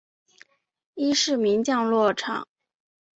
伊是名降落场。